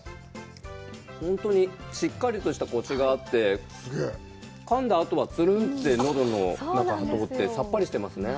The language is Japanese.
本当にしっかりとしたコシがあって、かんだあとはつるんってのどの中を通って、さっぱりしてますね。